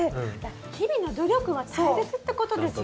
日々の努力は大切ってことですよ。